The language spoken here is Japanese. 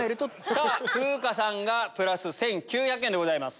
さぁ風花さんがプラス１９００円でございます。